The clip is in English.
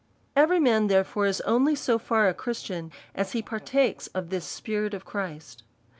Every man, therefore, is only so far a Christian as he partakes of tliis Spirit of Christ.